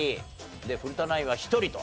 で古田ナインは１人と。